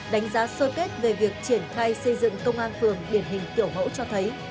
đánh giá sơ kết về việc triển khai xây dựng công an phường điển hình kiểu mẫu cho thấy